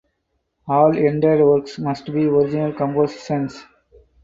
All entered works must be original compositions.